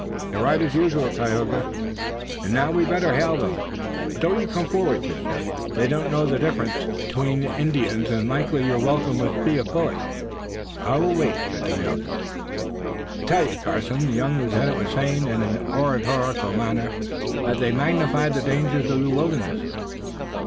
"You're right as usual, Tayoga, and now we'd better hail them. But don't you come forward just yet. They don't know the difference between Indians and likely your welcome would be a bullet." "I will wait," said Tayoga. "I tell you, Carson," the young lieutenant was saying in an oratorical manner, "that they magnify the dangers of the wilderness.